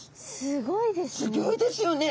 すごいですね。